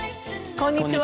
こんにちは。